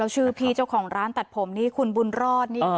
ชื่อพี่เจ้าของร้านตัดผมนี่คุณบุญรอดนี่